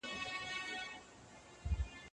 که مینه وي نو وفا وي.